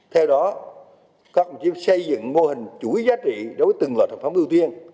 theo đó các quốc gia xây dựng mô hình chủ yếu giá trị đối với từng loại thẩm pháp ưu tiên